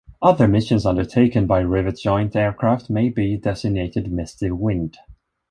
Other missions undertaken by Rivet Joint aircraft may be designated Misty Wind.